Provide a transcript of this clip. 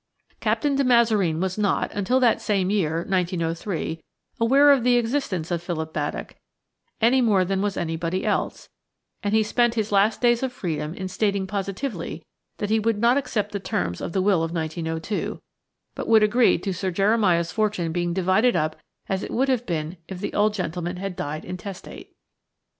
Captain de Mazareen was not, until that same year 1903, aware of the existence of Philip Baddock any more than was anybody else, and he spent his last days of freedom in stating positively that he would not accept the terms of the will of 1902, but would agree to Sir Jeremiah's fortune being divided up as it would have been if the old gentleman had died intestate.